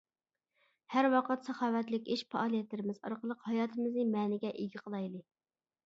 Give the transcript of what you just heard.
ھەر ۋاقىت ساخاۋەتلىك ئىش-پائالىيەتلىرىمىز ئارقىلىق ھاياتىمىزنى مەنىگە ئىگە قىلايلى!